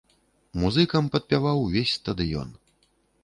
Музыкам падпяваў увесь стадыён.